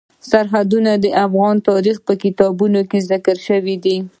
سرحدونه د افغان تاریخ په کتابونو کې ذکر شوی دي.